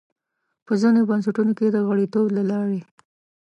په ځینو بنسټونو کې د غړیتوب له لارې.